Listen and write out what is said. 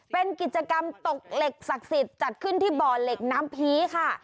เป็นกิจกรรมตกเหล็กศักดิ์สิทธิ์จัดขึ้นที่บ่อเหล็กน้ำพีค่ะ